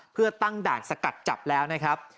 เพื่อตั้งด่านสกัดจับแล้วนะครับ